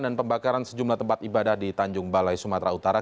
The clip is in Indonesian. dan pembakaran sejumlah tempat ibadah di tanjung balai sumatera utara